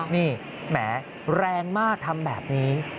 นี่แหมแรงมากทำแบบนี้